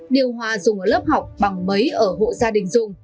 điều hòa dùng ở lớp học bằng mấy ở hộ gia đình dùng